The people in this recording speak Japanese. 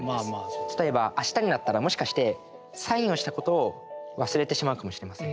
例えば明日になったらもしかしてサインをしたことを忘れてしまうかもしれません。